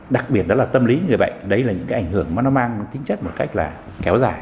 đặc biệt đó là tâm lý người bệnh đấy là những cái ảnh hưởng mà nó mang tính chất một cách là kéo dài